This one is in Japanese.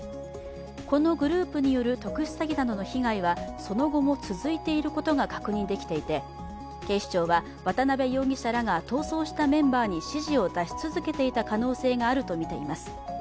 このグループによる特殊詐欺などの被害は、その後も続いていることが確認できていて、警視庁は渡辺容疑者らが逃走したメンバーに指示を出し続けていた可能性があるとみています。